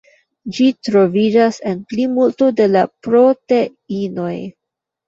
Ĝi troviĝas en plimulto de la proteinoj.